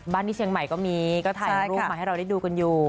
ที่เชียงใหม่ก็มีก็ถ่ายรูปมาให้เราได้ดูกันอยู่